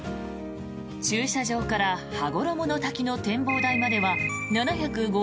駐車場から羽衣の滝の展望台までは７５０ｍ。